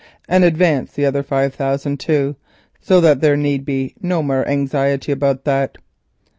and advance the other five thousand too, so that there be no more anxiety about that."